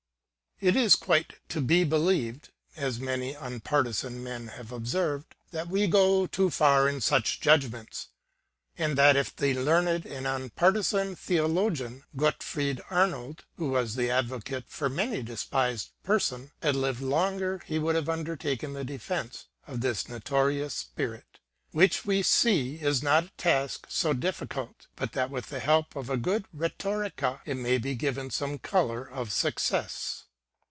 ' It is quite to be believed, as many unpartisan men have observed, that we go too far in such judgments; and that if the learned and unpartisan theologian Gotfried Arnold, who was the advocate for many despised persons, had lived longer, he would have undertaken the defense of this notorious spirit, which we see is not a task so difficult but that with the help of. a good rketorica it may be given some color of success.